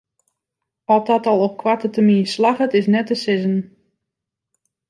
Oft dat al op koarte termyn slagget is net te sizzen.